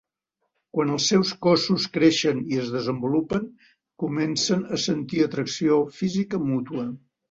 Quan els seus cossos creixen i es desenvolupen, comencen a sentir atracció física mútua.